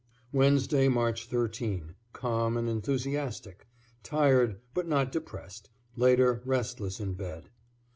Wednesday, March 13 Calm and enthusiastic; tired, but not depressed, later restless in bed.